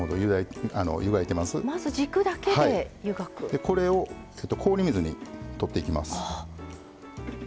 でこれを氷水にとっていきます。